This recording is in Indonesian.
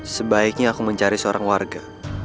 sebaiknya aku mencari seorang warga